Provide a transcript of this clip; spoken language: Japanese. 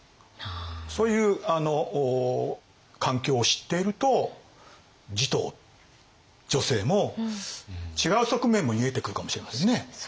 そういう環境を知っていると持統女性も違う側面も見えてくるかもしれませんね。